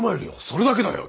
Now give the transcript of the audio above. それだけだよ。